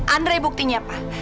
andre buktinya pak